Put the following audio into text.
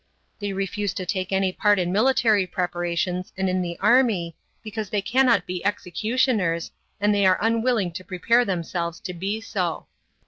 They refuse to take any part in military preparations and in the army, because they cannot be executioners, and they are unwilling to prepare themselves to be so.